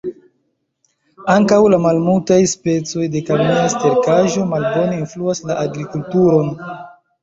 Ankaŭ la malmultaj specoj de kemia sterkaĵo malbone influas la agrikulturon.